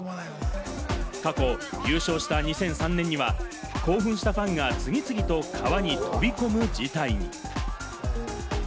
過去優勝した２００３年には興奮したファンが次々と川に飛び込む事態に。